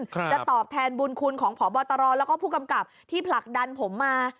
จะตอบแทนบุญคุณของพบตรแล้วก็ผู้กำกับที่ผลักดันผมมา